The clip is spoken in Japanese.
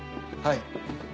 はい。